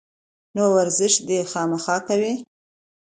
نو ورزش دې خامخا کوي